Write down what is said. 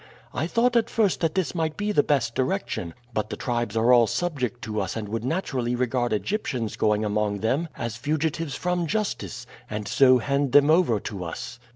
I thought at first that this might be the best direction; but the tribes are all subject to us and would naturally regard Egyptians going among them as fugitives from justice, and so hand them over to us."